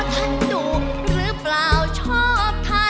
จะซื้อหมากซื้อบรู